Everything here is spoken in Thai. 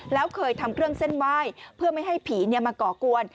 แล้วเคยทำเครื่องเส้นไหว้เพื่อไม่ให้ผีมาก่อกวน